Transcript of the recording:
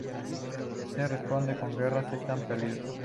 Se responde con guerras: están perdidos.